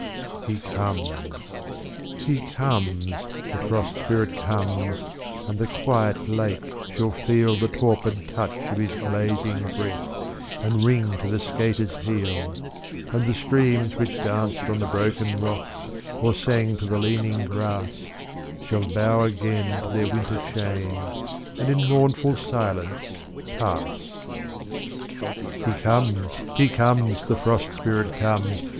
He comes, he comes, the Frost Spirit comes and the quiet lake shall feel The torpid touch of his glazing breath, and ring to the skater's heel; And the streams which danced on the broken rocks, or sang to the leaning grass, Shall bow again to their winter chain, and in mournful silence pass. He comes, he comes, the Frost Spirit comes!